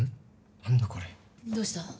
何だこれどうした？